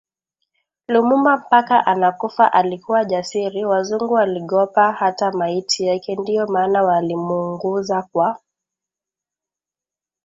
Lumumba mpaka anakufa alikuwa jasiri Wazungu waligopa hata maiti yake ndio maana walimwunguza kwa